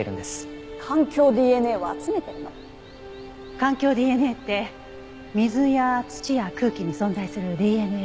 環境ＤＮＡって水や土や空気に存在するＤＮＡ。